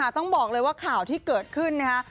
ต้องบอกเลยว่าข่าวที่เกิดขึ้นนะคะ